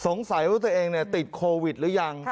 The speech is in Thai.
สงสัยว่าตัวเองติดโควิดหรือยัง